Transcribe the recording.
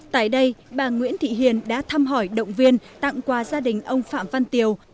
tại đây bà nguyễn thị hiền đã thăm hỏi động viên tặng quà gia đình ông phạm văn tiều